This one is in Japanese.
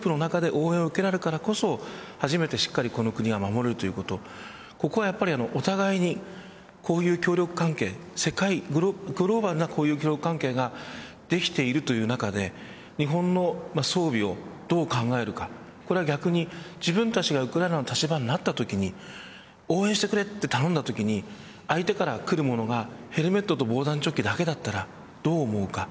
このグループの中で応援を受けるからこそ初めて国を守るということここは、お互いにこういう協力関係グローバルな協力関係ができているという中で日本の装備をどう考えるかこれは逆に自分たちがウクライナの立場になったときに応援してくれと頼んだときに相手からくるものがヘルメットと防弾チョッキだけだったらどう思うか。